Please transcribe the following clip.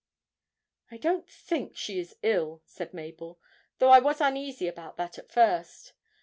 'I don't think she is ill,' said Mabel, 'though I was uneasy about that at first.